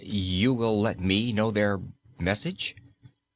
"You will let me know their message?"